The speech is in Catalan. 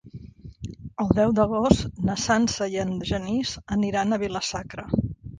El deu d'agost na Sança i en Genís aniran a Vila-sacra.